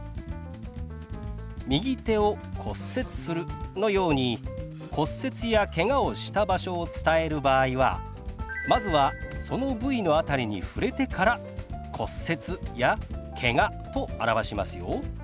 「右手を骨折する」のように骨折やけがをした場所を伝える場合はまずはその部位の辺りに触れてから「骨折」や「けが」と表しますよ。